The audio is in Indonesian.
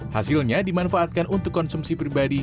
hasilnya dimanfaatkan untuk konsumsi pribadi